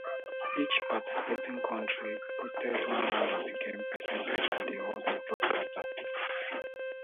Each participating country hosted one round of the games, presented by the host broadcaster.